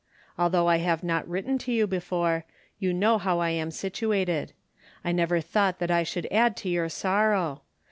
Although I have not written to you before, you know how I am situated. I never thought that I should add to your sorrow.